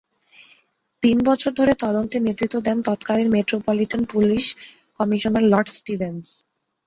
তিন বছর ধরে তদন্তে নেতৃত্ব দেন তত্কালীন metropolitan police commissioner Lord Stephen's.